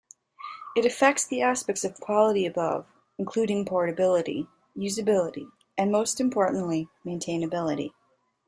It affects the aspects of quality above, including portability, usability and most importantly maintainability.